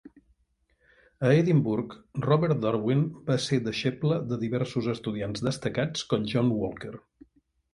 A Edimburg Robert Darwin va ser deixeble de diversos estudiants destacats com John Walker.